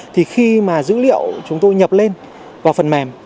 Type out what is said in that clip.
thì khi mà dữ liệu chúng tôi nhập lên vào phần mềm